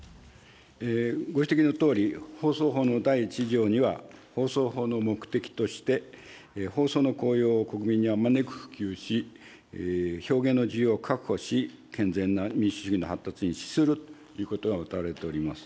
ご指摘のとおり、放送法の第１条には、放送法の目的として、放送の効用を国民にあまねく普及し、表現の自由を確保し、健全な民主主義の発達に資するということがうたわれております。